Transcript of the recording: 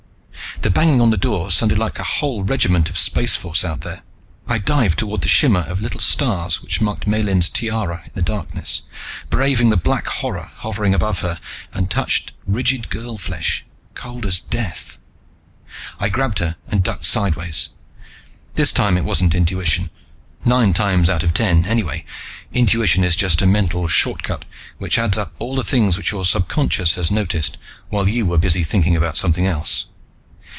The banging on the door sounded like a whole regiment of Spaceforce out there. I dived toward the shimmer of little stars which marked Miellyn's tiara in the darkness, braving the black horror hovering over her, and touched rigid girl flesh, cold as death. I grabbed her and ducked sideways. This time it wasn't intuition nine times out of ten, anyway, intuition is just a mental shortcut which adds up all the things which your subconscious has noticed while you were busy thinking about something else.